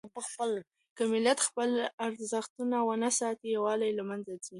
که ملت خپل ارزښتونه ونه ساتي، يووالی له منځه ځي.